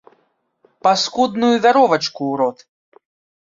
Паскудную вяровачку ў рот.